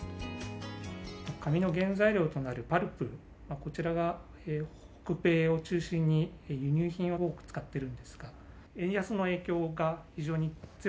紙の原材料となるパルプ、こちらが北米を中心に、輸入品を多く使ってるんですが、円安の影